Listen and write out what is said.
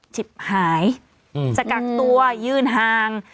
จิบหายจะกักตัวยืนห่าง